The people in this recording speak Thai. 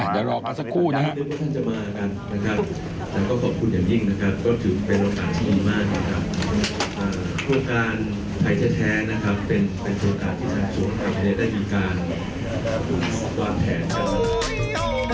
อ่ะเดี๋ยวรอกันสักครู่นะครับ